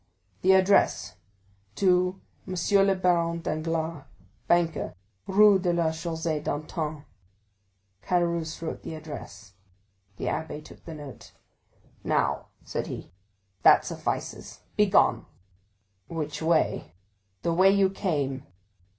"The address, 'To monsieur the Baron Danglars, banker, Rue de la Chaussée d'Antin.'" Caderousse wrote the address. The abbé took the note. "Now," said he, "that suffices—begone!" "Which way?" "The way you came."